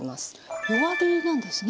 弱火なんですね。